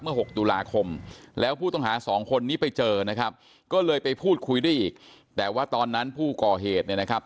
หกตุลาคมแล้วผู้ต้องหาสองคนนี้ไปเจอนะครับก็เลยไปพูดคุยได้อีกแต่ว่าตอนนั้นผู้ก่อเหตุเนี่ยนะครับ